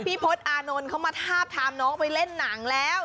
พจน์อานนท์เขามาทาบทามน้องไปเล่นหนังแล้ว